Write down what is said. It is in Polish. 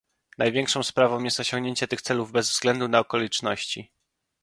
Najważniejszą sprawą jest osiągnięcie tych celów bez względu na okoliczności